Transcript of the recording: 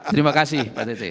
terima kasih pak ceci